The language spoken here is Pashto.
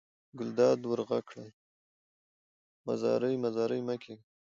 ګلداد ور غږ کړل: مزری مزری مه کېږه.